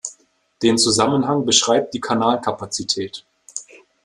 Den Zusammenhang beschreibt die Kanalkapazität.